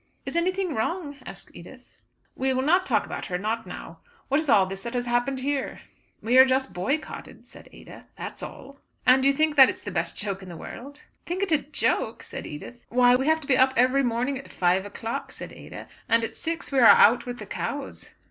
"Is anything wrong," asked Edith. "We will not talk about her, not now. What is all this that has happened here?" "We are just boycotted," said Ada; "that's all." "And you think that it's the best joke in the world?" "Think it a joke!" said Edith. "Why we have to be up every morning at five o'clock," said Ada; "and at six we are out with the cows."